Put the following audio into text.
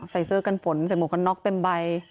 ใส่เสื้อกันฝนใส่หมวกกันน็อกเต็มใบ